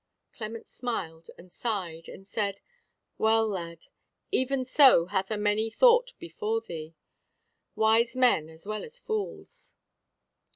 Clement smiled and sighed, and said: "Well, lad, even so hath a many thought before thee, wise men as well as fools."